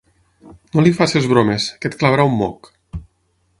No li facis bromes, que et clavarà un moc.